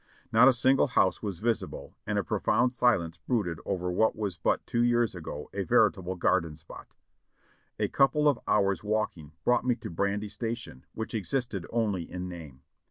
Not a single house was visible and a profound silence brooded over what was but two years ago a veritable garden spot. A couple of hours' walking brought me to Brandy Station, which existed only in name.